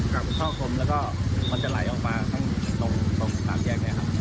กับท่อคลมแล้วก็มันจะไหลออกมาทั้งตรงสามแยกนี้ครับ